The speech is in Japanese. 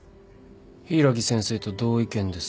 柊木先生と同意見です。